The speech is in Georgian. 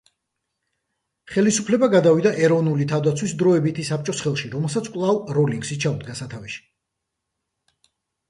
ხელისუფლება გადავიდა ეროვნული თავდაცვის დროებითი საბჭოს ხელში, რომელსაც კვლავ როლინგსი ჩაუდგა სათავეში.